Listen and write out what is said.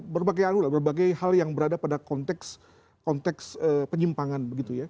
berbagai hal yang berada pada konteks penyimpangan